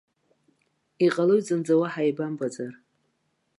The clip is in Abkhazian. Иҟалоит зынӡа уаҳа еибамбаӡар.